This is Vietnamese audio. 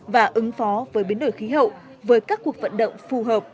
và ứng phó với biến đổi khí hậu với các cuộc vận động phù hợp